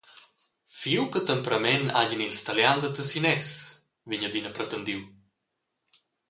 Fiug e temperament hagien ils Talians e Tessines, vegn adina pretendiu.